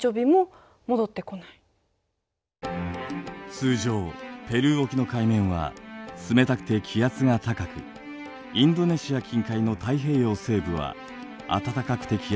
通常ペルー沖の海面は冷たくて気圧が高くインドネシア近海の太平洋西部は暖かくて気圧が低いという関係にあります。